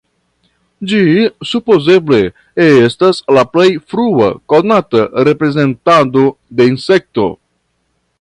Ĝi supozeble estas la plej frua konata reprezentado de insekto.